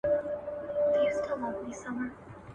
دې غونډي ته یوه جاهل ,